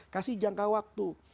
di jangka waktu